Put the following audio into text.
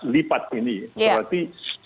lipat ini berarti